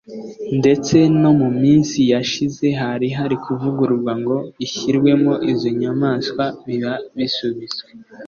ndetse no mu minsi yashize hari hari kuvugururwa ngo ishyirwemo izo nyamaswa biba bisubitswe